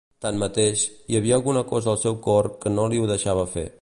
Tanmateix, hi havia alguna cosa al seu cor que no li ho deixava fer.